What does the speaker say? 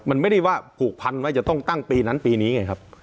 มันไม่ได้ว่าผูกพันว่าจะต้องตั้งปีนั้นปีนี้ไงครับ